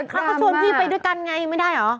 เขาก็ชวนพี่ไปด้วยกันไงไม่ได้เหรอ